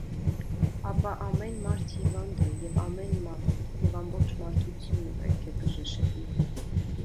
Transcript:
ապա ամեն մարդ հիվանդ է և ամեն մարդ, և ամբողջ մարդկությունը պետք է բժշկվի: